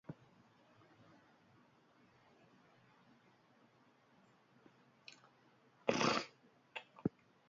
Han ezagutu zuen halaber, Montserrat Garro, bere emazte izango zena.